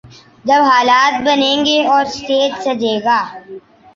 جب حالات بنیں گے اور سٹیج سجے گا۔